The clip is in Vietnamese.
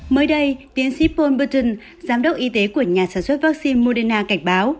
mới đây tiến sĩ paul burton giám đốc y tế của nhà sản xuất vaccine moderna cảnh báo